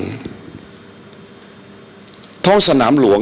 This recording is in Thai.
เพราะยังไม่ได้ไปเห็น